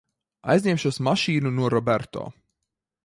Aizņemšos mašīnu no Roberto.